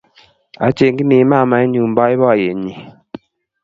Achengjini mamaenyu boiboiyenyi